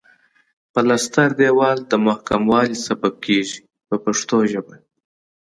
پلستر دېوال د محکموالي سبب کیږي په پښتو ژبه.